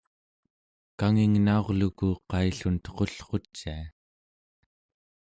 kangingnaurluku qaillun tuqullrucia